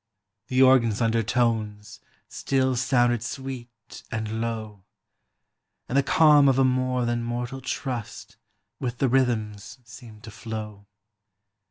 The organ's undertones SI ill sounded sweet and low, Ami the calm of a, more than mortal trust Willi the rhythms seemed to flow.